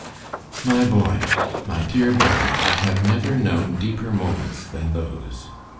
"My boy, my dear boy, I have never known deeper moments than those.